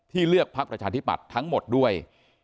เลือกพักประชาธิปัตย์ทั้งหมดด้วย